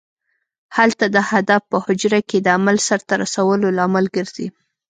هلته د هدف په حجره کې د عمل سرته رسولو لامل ګرځي.